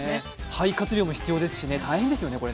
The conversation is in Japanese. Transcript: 肺活量も必要ですしね、大変ですね、これ。